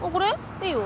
いいよ。